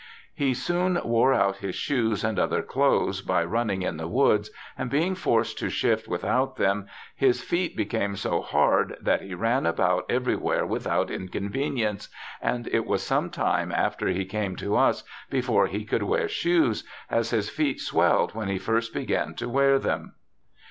' He soon wore out his shoes and other clothes by running in the woods, and being forced to shift without them, his feet became so hard that he ran about every where without inconvenience, and it was some time after he came to us before he could wear shoes, as his feet swelled when he first began to wear them.